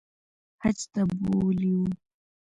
حج ته بوولي وو